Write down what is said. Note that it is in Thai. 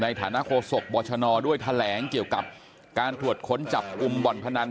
ในฐานะโฆษกบชนด้วยแถลงเกี่ยวกับการตรวจค้นจับกลุ่มบ่อนพนัน